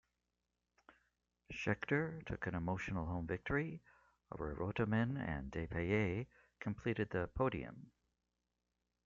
Scheckter took an emotional home victory, with Reutemann and Depailler completing the podium.